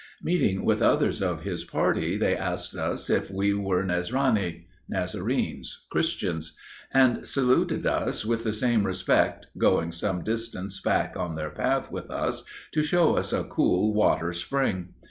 Meeting with others of his party, they asked us if we were Nesrani, (Nazarenes Christians,) and saluted us with the same respect, going some distance back on their path with us to show us a cool water spring.